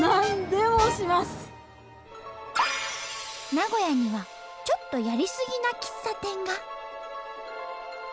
名古屋にはちょっとやりすぎな喫茶店が。